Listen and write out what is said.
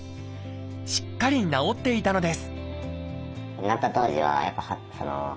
しっかり治っていたのです